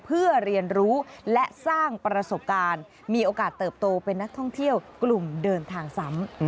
เพื่อเรียนรู้และสร้างประสบการณ์มีโอกาสเติบโตเป็นนักท่องเที่ยวกลุ่มเดินทางซ้ำ